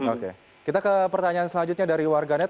oke kita ke pertanyaan selanjutnya dari warganet